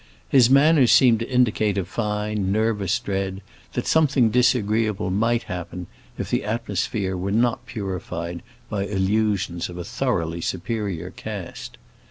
His manners seemed to indicate a fine, nervous dread that something disagreeable might happen if the atmosphere were not purified by allusions of a thoroughly superior cast.